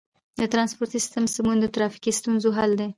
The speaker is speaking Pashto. د ترانسپورتي سیستم سمون د ترافیکي ستونزو حل دی.